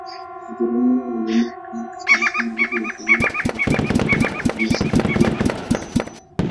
Wajerumani waliamua kutumia Kiswahili kama lugha ya utawala katika Afrika ya Mashariki ya Kijerumani.